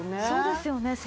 そうですよね。